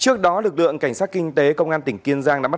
trước đó lực lượng cảnh sát kinh tế công an tỉnh kiên giang đã bắt